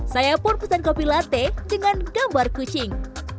saya pun pesan kopi latte dengan gambar kucing